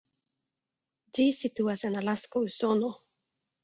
Ĝi situas en Alasko, Usono.